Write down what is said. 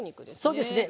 そうですね。